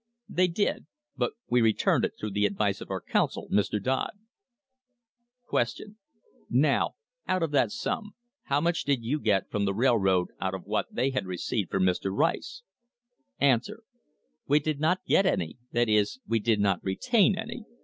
They did, but we returned it through the advice of our counsel, Mr. Dodd. Q. Now, out of that sum how much did you get from the railroad out of what they had received from Mr. Rice ? A. We did not get any; that is, we did not retain any.